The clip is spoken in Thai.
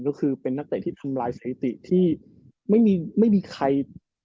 ก็คือเป็นนักเตะที่ทำลายสถิติที่ไม่มีใคร